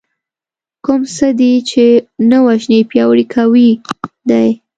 کوم څه دې چې نه وژنې پياوړي کوي دی .